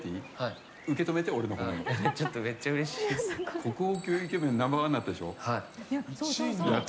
国宝級イケメンナンバー１になったでしょ。